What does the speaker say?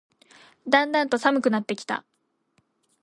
だんだんと寒くなってきた